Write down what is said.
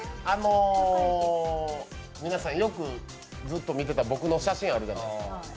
皆さん、よくずっと見てた僕の写真あるじゃないですか。